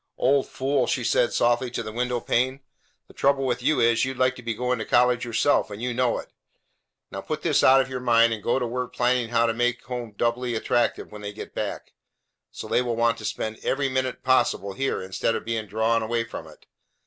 "Old fool!" she said softly to the window pane. "The trouble with you is, you'd like to be going to college yourself, and you know it! Now put this out of your mind, and go to work planning how to make home doubly attractive when they get back, so that they will want to spend every minute possible here instead of being drawn away from it.